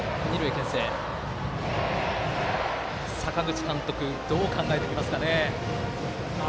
阪口監督、どう考えてきますかね。